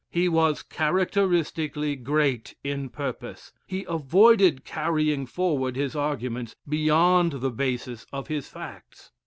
He was characteristically great in purpose. He avoided carrying forward his arguments beyond the basis of his facts.